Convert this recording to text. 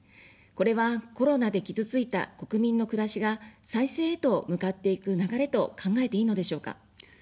これは、コロナで傷ついた国民の暮らしが再生へと向かっていく流れと考えていいのでしょうか。